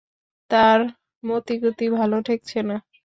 তার মতিগতি ভালো ঠেকছে না।